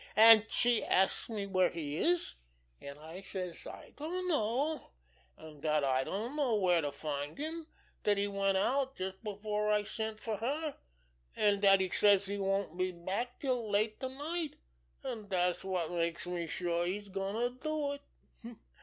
An' she asks me where he is, an' I says I don't know, an' dat I don't know where to find him; dat he went out just before I sent fer her, an' dat he says he won't be back till late to night, an' dat's wot makes me sure he's goin' to do it.